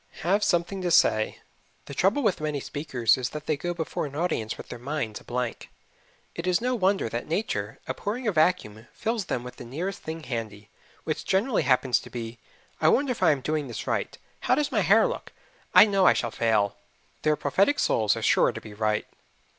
Have Something to Say The trouble with many speakers is that they go before an audience with their minds a blank. It is no wonder that nature, abhorring a vacuum, fills them with the nearest thing handy, which generally happens to be, "I wonder if I am doing this right! How does my hair look? I know I shall fail." Their prophetic souls are sure to be right.